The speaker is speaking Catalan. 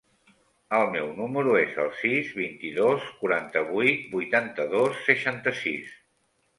El meu número es el sis, vint-i-dos, quaranta-vuit, vuitanta-dos, seixanta-sis.